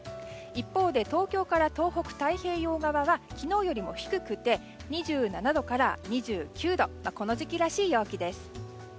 一方で、東京から東北の太平洋側は昨日よりも低くて２７度から２９度この時期らしい陽気です。